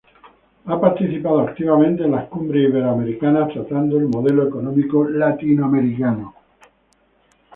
Ha participado activamente en la Cumbres Iberoamericanas tratando el modelo económico latinoamericano.